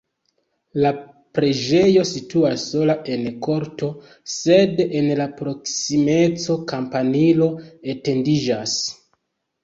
La preĝejo situas sola en korto, sed en la proksimeco kampanilo etendiĝas.